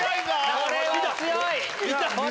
これは強い！